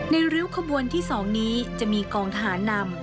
ริ้วขบวนที่๒นี้จะมีกองทหารนำ